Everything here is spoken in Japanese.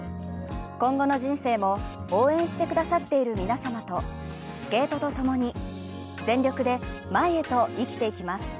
今後の人生も応援してくださっている皆様とスケートともに、全力で前へと生きていきます。